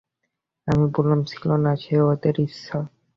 আমি বললুম, ছিল না, সে ওদের ইচ্ছা।